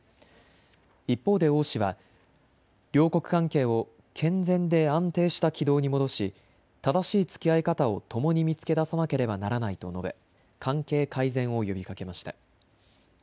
一方で王氏は両国関係を健全で安定した軌道に戻し正しいつきあい方をともに見つけ出さなければならないと述べ関係改善を呼びかけました。